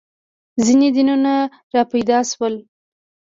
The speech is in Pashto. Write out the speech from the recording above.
• ځینې دینونه راپیدا شول.